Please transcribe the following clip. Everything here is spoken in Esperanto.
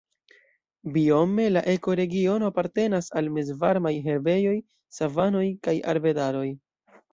Biome la ekoregiono apartenas al mezvarmaj herbejoj, savanoj kaj arbedaroj.